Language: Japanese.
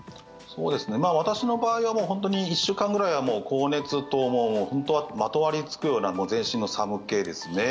私の場合は本当に１週間ぐらいは高熱と、まとわりつくような全身の寒気ですね。